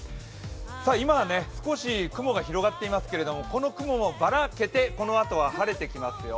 今は少し雲が広がっていますけれども、この雲もバラけてこのあとは晴れてきますよ。